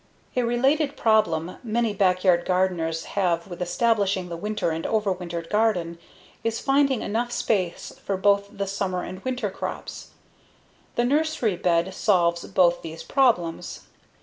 A related problem many backyard gardeners have with establishing the winter and overwintered garden is finding enough space for both the summer and winter crops. The nursery bed solves both these problems.